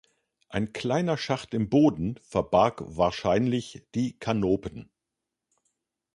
Ein kleiner Schacht im Boden barg wahrscheinlich die Kanopen.